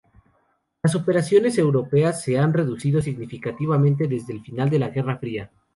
Las operaciones europeas se han reducido significativamente desde el final de la Guerra Fría.